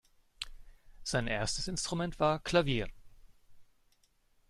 Sein erstes Instrument war Klavier.